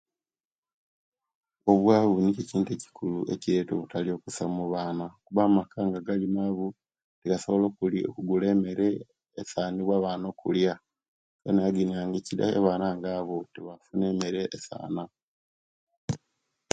Obwavu nikyo ekiintu ekikulu ekileta obutalia okusa mubana kuba amaka nga gali maavu tegasobola okugula emere esanira abana okulia kale noyaginia abana nga abo tebafuna emere esana